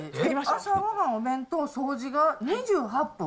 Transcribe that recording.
朝ごはん、お弁当、掃除が２８分？